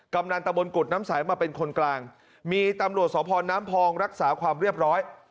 กำนันตะบนกุฎน้ำสายมาเป็นคนกลางมีตำรวจสพน้ำพองรักษาความเรียบร้อย